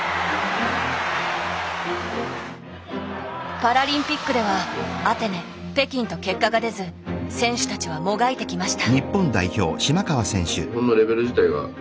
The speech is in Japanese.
パラリンピックではアテネ北京と結果が出ず選手たちはもがいてきました。